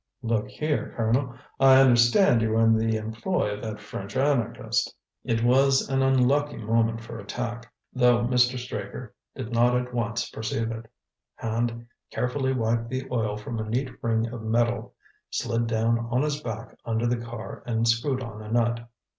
"Look here, Colonel, I understand you were in the employ of that French anarchist." It was an unlucky moment for attack, though Mr. Straker did not at once perceive it. Hand carefully wiped the oil from a neat ring of metal, slid down on his back under the car and screwed on a nut.